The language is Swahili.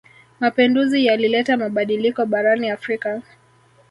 Mapenduzi yalileta mabadiliko barani Afrika.